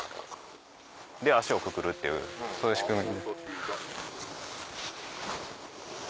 で足をくくるっていうそういう仕組み。